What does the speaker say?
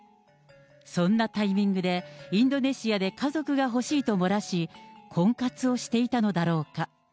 そんなタイミングで、インドネシアで家族が欲しいと漏らし、婚活をしていたのだろうか。